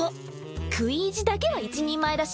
食い意地だけは一人前だし。